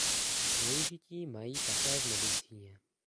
Využití mají také v medicíně.